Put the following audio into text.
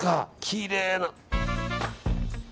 きれいな。